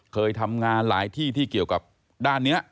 เคยทำงานหลายที่ที่เกี่ยวกับด้านนี้